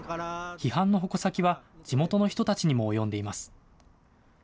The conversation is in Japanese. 批判の矛先は地元の人たちにも及んでいます。